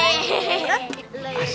ke warang warangkan sawah